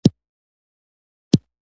لکه څنګه چې ګورئ دا سامانونه خورا ښه دي